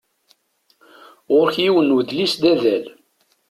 Ɣur-k yiwen n udlis d adal.